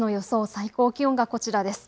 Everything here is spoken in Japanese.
最高気温がこちらです。